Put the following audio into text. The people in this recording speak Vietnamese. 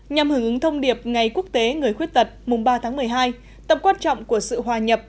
nhằm hưởng ứng thông điệp ngày quốc tế người khuyết tật mùng ba tháng một mươi hai tầm quan trọng của sự hòa nhập